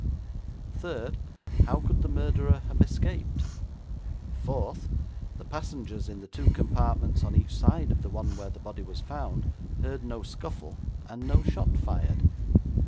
Third, how could the murderer have escaped? Fourth, the passengers in the two compartments on each side of the one where the body was found heard no scuffle and no shot fired.'